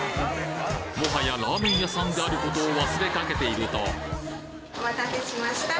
もはやラーメン屋さんであることを忘れかけているとお待たせしました。